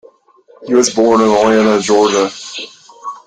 He was born in Atlanta, Georgia.